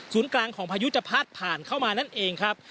กลางของพายุจะพาดผ่านเข้ามานั่นเองครับ